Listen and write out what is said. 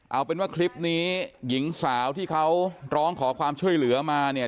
เอาเป็นว่าคลิปนี้หญิงสาวที่เขาร้องขอความช่วยเหลือมาเนี่ย